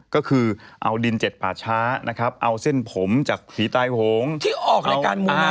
ก็คือเอาดินเจ็ดปาช้านะครับเอาเส้นผมจากก